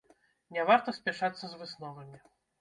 Не варта спяшацца з высновамі.